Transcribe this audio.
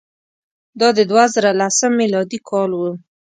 دا د دوه زره لسم میلادي کال وو.